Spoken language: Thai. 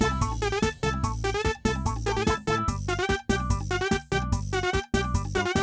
ฮะผมมาสูจราหรือเปล่า